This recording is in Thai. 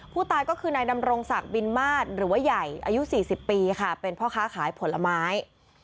ผู้ตายก็คือนายดำรงศักดิ์บินมาสหรือว่าใหญ่อายุ๔๐ปีค่ะเป็นพ่อค้าขายผลไม้